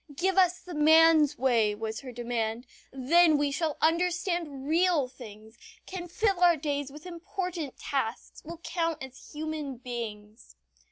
"Give us the man's way," was her demand, "then we shall understand real things, can fill our days with important tasks, will count as human beings."